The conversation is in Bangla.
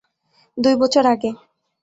দুই বছর আগে।